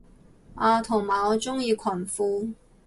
啊同埋我鍾意裙褲